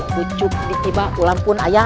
kucuk ditiba ulang pun ayah